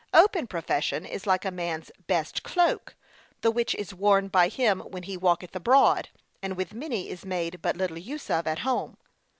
Open profession is like a man's best cloak, the which is worn by him when he walketh abroad, and with many is made but little use of at home.